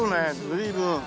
随分。